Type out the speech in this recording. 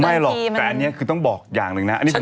หรอกแต่อันนี้คือต้องบอกอย่างหนึ่งนะ